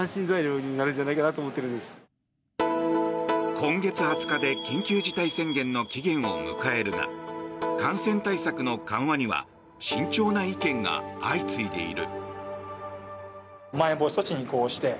今月２０日で緊急事態宣言の期限を迎えるが感染対策の緩和には慎重な意見が相次いでいる。